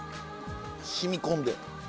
しみ込んで。